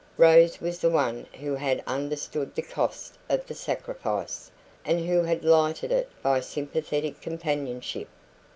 Rose was the one who had understood the cost of the sacrifice, and who had lightened it by sympathetic companionship.